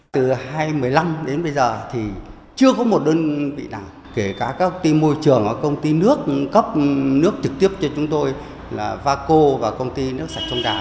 từ hai nghìn một mươi năm đến bây giờ thì chưa có một đơn vị nào kể cả các công ty môi trường công ty nước cấp nước trực tiếp cho chúng tôi là vaco và công ty nước sạch sông đà